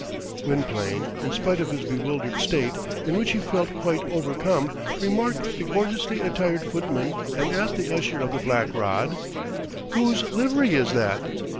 Gwynplaine, in spite of his bewildered state, in which he felt quite overcome, remarked the gorgeously attired footmen, and asked the Usher of the Black Rod, "Whose livery is that?"